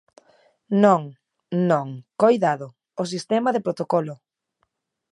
Non, non, coidado, ¡o sistema de protocolo!